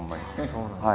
そうなんですか。